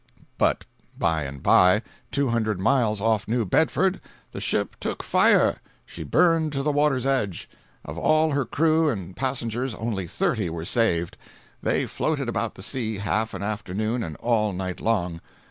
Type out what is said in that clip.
365.jpg (74K) But, by and by, two hundred miles off New Bedford, the ship took fire; she burned to the water's edge; of all her crew and passengers, only thirty were saved. They floated about the sea half an afternoon and all night long.